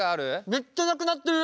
めっちゃなくなってる！